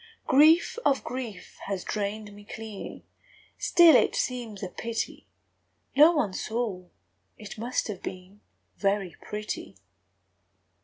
Grief of grief has drained me clean; Still it seems a pity No one saw, it must have been Very pretty.